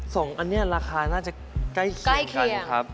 สองอันนี้ราคาน่าจะใกล้เคียงครับ